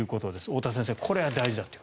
太田先生、これが大事だと。